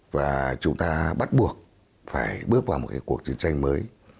và chúng ta bắt buộc phải bước vào một cuộc chiến tranh mới